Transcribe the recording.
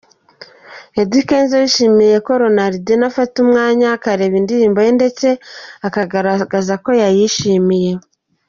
Eddy Kenzo yishimiye ko Ronaldinho afata umwanya akareba indirimbo ye ndetse akagaragaza ko yayishimiye .